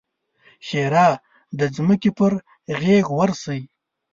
ښېرا: د ځمکې پر غېږ ورسئ!